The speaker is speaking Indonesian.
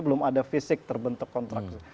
belum ada fisik terbentuk kontraksi